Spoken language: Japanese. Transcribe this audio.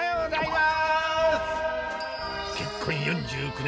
結婚４９年。